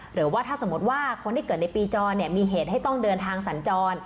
หรือว่าถ้าสมมติว่าคนที่เกิดในปีจรมีเหตุให้ต้องเดินทางสัญจร